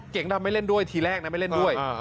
ดำไม่เล่นด้วยทีแรกนะไม่เล่นด้วย